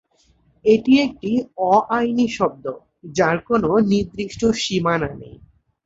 এটি একটি অ-আইনি শব্দ, যার কোনো নির্দিষ্ট সীমানা নেই।